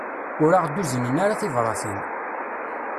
Ur aɣ-d-uznen ara tibratin.